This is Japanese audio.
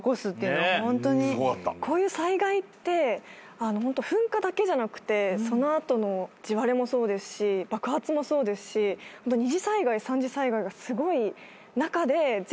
こういう災害って噴火だけじゃなくてその後の地割れもそうですし爆発もそうですし二次災害三次災害がすごい中で全部英断を繰り返して。